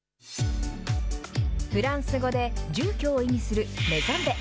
フランス語で住居を意味するメゾンデ。